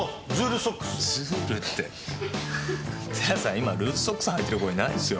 今ルーズソックスはいてる子いないっすよ。